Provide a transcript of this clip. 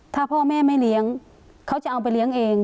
ถ้าพ่อแม่ไม่เลี้ยงเขาจะเอาไปเลี้ยงเอง